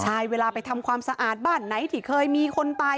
ใช่เวลาไปทำความสะอาดบ้านไหนที่เคยมีคนตาย